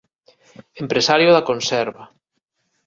Empresario da conserva.